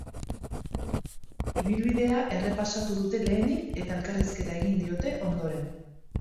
Ibilbidea errepasatu dute lehenik, eta elkarrizketa egin diote ondoren.